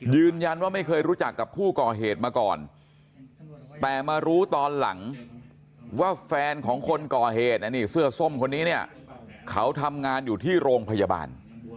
ยืนยันว่าไม่เคยรู้จักกับผู้ก่อเหตุมาก่อนแต่มารู้ตอนหลังว่าแฟนของคนก่อเหตุอันนี้เสื้อส้มคนนี้เนี่ยเขาทำงานอยู่ที่โรงพยาบาล